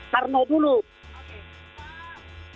bangka yang dulu dia